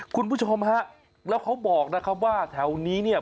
คุณผู้ชมฮะแล้วเขาบอกนะครับว่าแถวนี้เนี่ย